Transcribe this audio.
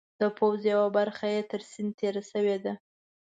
د پوځ یوه برخه یې تر سیند تېره شوې ده.